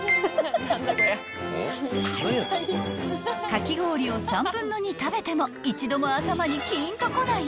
［かき氷を３分の２食べても一度も頭にキーンとこない？］